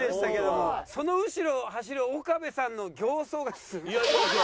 その後ろを走る岡部さんの形相が。